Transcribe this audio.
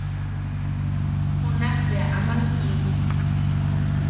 Junak bea aman kimuk.